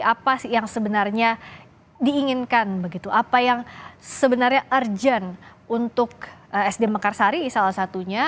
apa sih yang sebenarnya diinginkan begitu apa yang sebenarnya urgent untuk sd mekarsari salah satunya